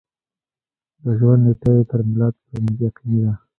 د ژوند نېټه یې تر میلاد پورې یقیني ده.